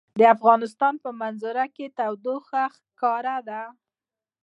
د افغانستان په منظره کې تودوخه ښکاره ده.